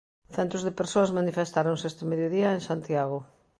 Centos de persoas manifestáronse este mediodía en Santiago.